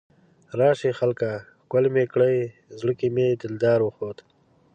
راشئ خلکه ښکل مې کړئ، زړه کې مې دلدار اوخوت